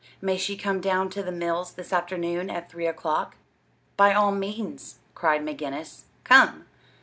May she come down to the mills this afternoon at three o'clock?" "By all means!" cried McGinnis. "Come."